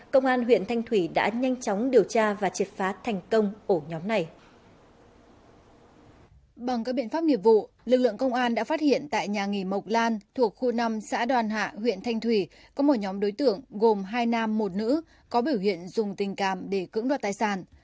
công an đã phát hiện tại nhà nghỉ mộc lan thuộc khu năm xã đoàn hạ huyện thanh thủy có một nhóm đối tượng gồm hai nam một nữ có biểu hiện dùng tình cảm để cưỡng đoạt tài sản